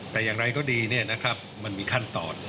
แต่อย่างไรก็ดีมันมีขั้นตอน